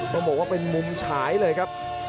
ต้องบอกว่าเป็นมุมฉายเลยครับ